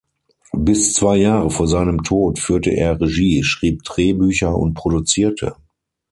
Bis zwei Jahre vor seinem Tod führte er Regie, schrieb Drehbücher und produzierte.